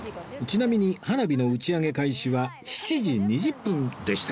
ちなみに花火の打ち上げ開始は７時２０分でしたよね？